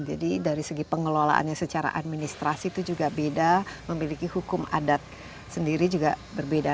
jadi dari segi pengelolaannya secara administrasi itu juga beda memiliki hukum adat sendiri juga berbeda